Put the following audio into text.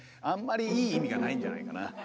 あんまりいい意味がないんじゃないかな。